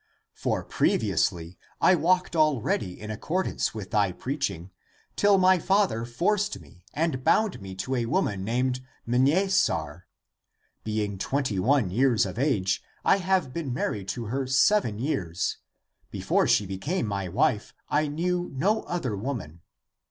For previously I walked already in ac cordance with thy preaching till my father forced me and bound me to a woman named Mnesar. Be ing twenty one years of age, I have been married to her seven years. Before she became my wife, I knew no other woman.